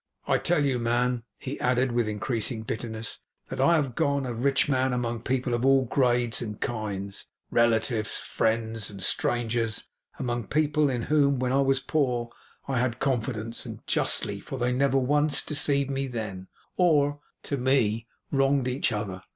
I tell you, man,' he added, with increasing bitterness, 'that I have gone, a rich man, among people of all grades and kinds; relatives, friends, and strangers; among people in whom, when I was poor, I had confidence, and justly, for they never once deceived me then, or, to me, wronged each other.